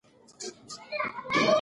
په ځينو سيمو کې سړي هم رانجه لګوي.